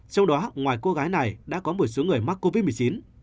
trong đó ngoài cô gái này đã có một số người mắc covid một mươi chín